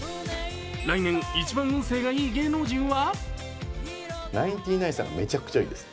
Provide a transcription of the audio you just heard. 来年一番運勢がいい芸能人は？